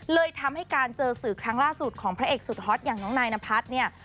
เลยทำให้การเจอสื่อครั้งล่าสุดของพระเอกสุดฮอตอย่างน้องนายนพัฒน์เนี่ย